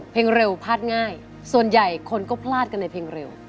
เพลงเร็วพลาดง่ายส่วนใหญ่คนก็พลาดกันในเพลงเร็ว